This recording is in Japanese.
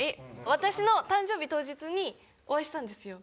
私の誕生日当日にお会いしたんですよ。